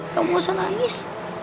kamu jangan nangis